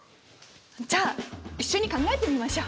じゃあ一緒に考えてみましょう！